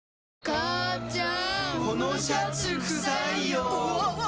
母ちゃん！